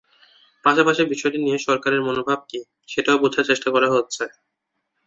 পাশাপাশি বিষয়টি নিয়ে সরকারের মনোভাব কী, সেটাও বোঝার চেষ্টা করা হচ্ছে।